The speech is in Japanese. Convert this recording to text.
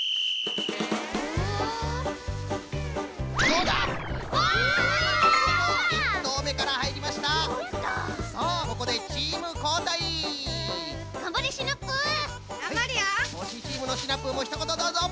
ほしチームのシナプーもひとことどうぞ！